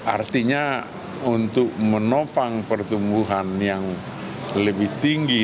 artinya untuk menopang pertumbuhan yang lebih tinggi